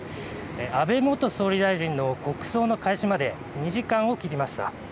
安倍元総理大臣の国葬の開始まで２時間を切りました。